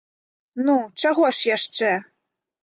Ну, чаго ж яшчэ?